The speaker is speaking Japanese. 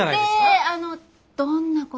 であのどんなことを？